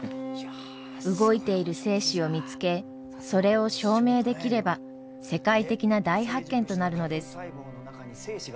動いている精子を見つけそれを証明できれば世界的な大発見となるのです。